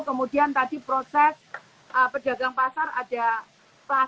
kemudian tadi proses pedagang pasar ada plastik